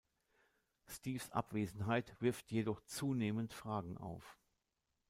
Steves Abwesenheit wirft jedoch zunehmend Fragen auf.